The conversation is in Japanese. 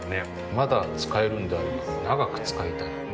まだ使えるんであれば長く使いたい。